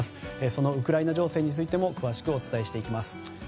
そのウクライナ情勢についても詳しくお伝えしていきます。